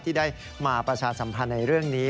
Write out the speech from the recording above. ที่ได้มาประชาสัมพันธ์ในเรื่องนี้